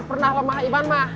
pernah pak maha iban mah